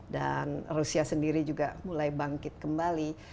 dan rusia sendiri juga mulai bangkit kembali